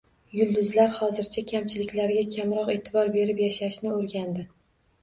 Yulduzlar hozirda kamchiliklariga kamroq e’tibor berib yashashni o‘rgandi